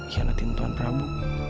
hianatin tuhan prabu